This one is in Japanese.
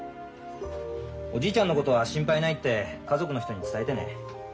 おじいちゃんのことは心配ないって家族の人に伝えてね。